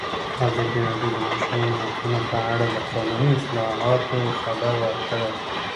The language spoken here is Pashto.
ازادي راډیو د د ماشومانو حقونه په اړه د قانوني اصلاحاتو خبر ورکړی.